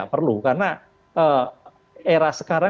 kekecewaan dari masyarakat